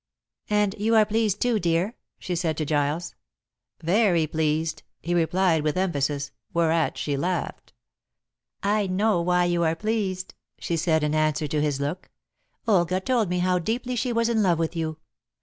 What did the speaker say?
"And you are pleased too, dear," she said to Giles. "Very pleased," he replied, with emphasis, whereat she laughed. "I know why you are pleased," she said, in answer to his look. "Olga told me how deeply she was in love with you.